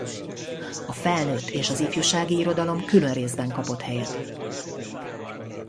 A felnőtt és az ifjúsági irodalom külön részben kapott helyet.